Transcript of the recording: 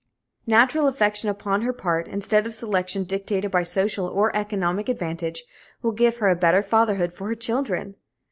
Natural affection upon her part, instead of selection dictated by social or economic advantage, will give her a better fatherhood for her children.